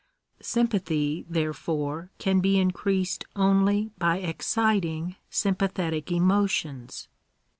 Sym pathy, therefore, can be increased only by exciting sympathetic emotions.